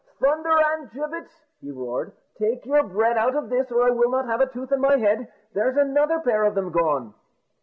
"Thunder and gibbets!" he roared, "take your bread out of this, or I will not have a tooth in my head; there's another pair of them gone!"